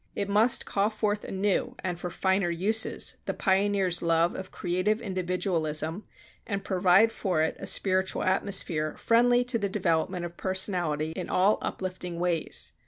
It must call forth anew, and for finer uses, the pioneer's love of creative individualism and provide for it a spiritual atmosphere friendly to the development of personality in all uplifting ways.